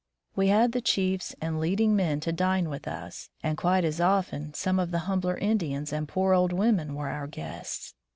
We had the chiefs and leading men to dine with us, and quite as often some of the humbler Indians and poor old women were our guests.